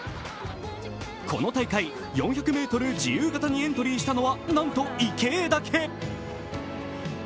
この大会、４００ｍ自由形にエントリーしたのは、なんと池江だけ。